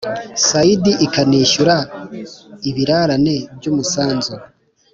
sayidi ikanishyura ibirarane by’umusanzu